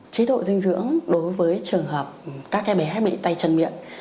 chế độ dinh dưỡng đối với trường hợp các bé bị tay chân miệng